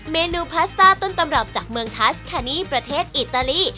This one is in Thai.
เมนูพาสต้าต้นตำรับจากเมืองทัสคานี่ประเทศอิตาลี